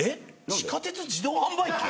「地下鉄」「自動販売機」？